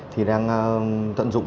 thì đang tận dụng